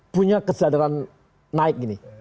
punya kesadaran naik gini